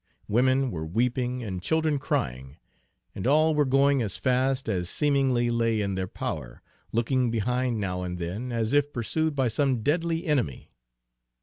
Women were weeping and children crying, and all were going as fast as seemingly lay in their power, looking behind now and then as if pursued by some deadly enemy.